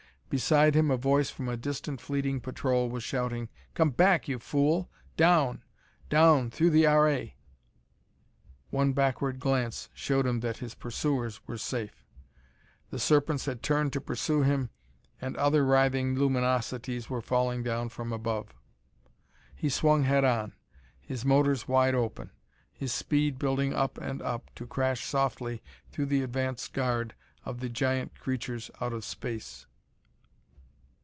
Beside him a voice from a distant, fleeing patrol was shouting; "Come back, you fool! Down! Down, through the R. A.!" One backward glance showed him that his pursuers were safe. The serpents had turned to pursue him, and other writhing luminosities were falling from above. He swung head on, his motors wide open, his speed building up and up, to crash softly through the advance guard of the giant creatures out of space.